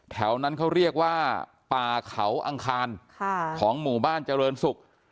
แถวนั้นเขาเรียกว่าป่าเขาอังคารของหมู่บ้านเจริญศุกร์